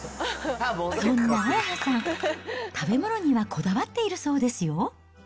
そんなあやはさん、食べ物にはこだわっているそうですよ。